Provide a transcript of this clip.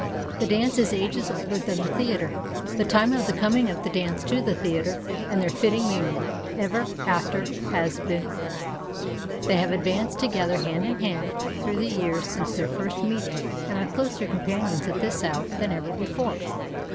The dance is ages older than the theatre. The time of the coming of the dance to the theatre and their fitting union ever after has been recorded. They have advanced together hand in hand through the years since their first meeting and are closer companions at this hour than ever before.